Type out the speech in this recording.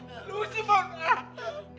lo sih pak